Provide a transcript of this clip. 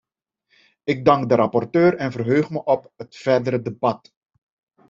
Ik dank de rapporteur en verheug me op het verdere debat.